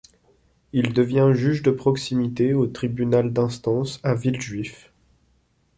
Il devient juge de proximité au tribunal d'instance à Villejuif.